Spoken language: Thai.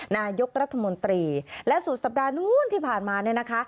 นายกรัฐมนตรีและสุดสัปดาห์นู้นที่ผ่านมาเนี่ยนะคะ